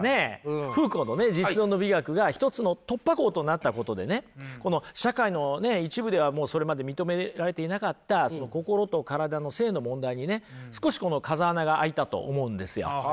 フーコーのね実存の美学が一つの突破口となったことでねこの社会の一部ではもうそれまで認められていなかった心と体の性の問題にね少しこの風穴が開いたと思うんですよ。